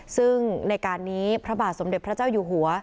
ซึ่งในการนี้พระบาทสมเด็จพระเจ้าอยู่หัว